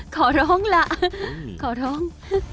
ขอร้องล่ะขอร้อง